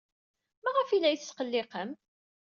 Maɣef ay la iyi-tesqelliqem?